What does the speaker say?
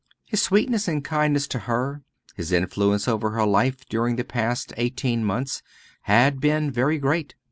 His sweetness and kindness to her, his influence over her life during the past eighteen months, had been very great.